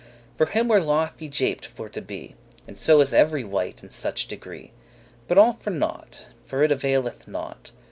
For him were loth y japed* for to be; *tricked, deceived And so is every wight in such degree; But all for nought, for it availeth nought.